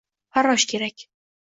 Farrosh kerak